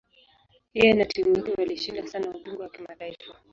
Yeye na timu yake walishinda sana ubingwa wa kitaifa.